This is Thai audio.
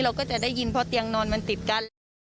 เราก็จะได้ยินเพราะเตียงนอนมันติดกัน